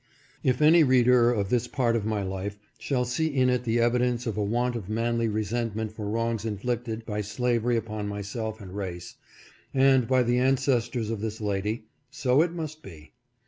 If any reader of this part of my life shall see in it the evidence of a want of manly resentment for wrongs in flicted by slavery upon myself and race, and by the ances tors of this lady, so it must be.